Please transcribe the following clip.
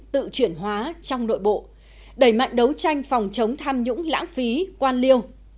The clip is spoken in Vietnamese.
tự chuyển hóa trong nội bộ đẩy mạnh đấu tranh phòng chống tham nhũng lãng phí quan liêu